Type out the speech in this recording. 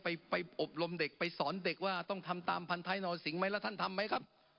ไปอบรมเด็กไปสอนเด็กว่าต้องทำตามพันท้ายนอสิงไหมแล้วท่านทำไหมครับ